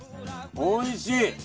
おいしい！